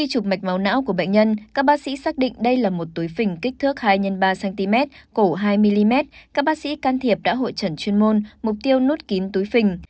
các bác sĩ can thiệp đã hội trần chuyên môn mục tiêu nút kín túi phình